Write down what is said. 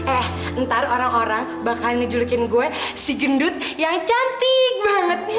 eh ntar orang orang bakal ngejulukin gue si gendut yang cantik banget nih